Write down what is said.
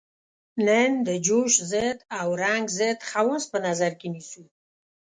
نن د جوش ضد او زنګ ضد خواص په نظر کې نیسو.